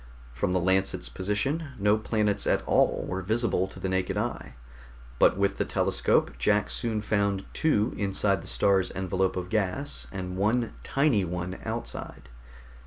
From the Lancet's position, no planets at all were visible to the naked eye, but with the telescope Jack soon found two inside the star's envelope of gas and one tiny one outside.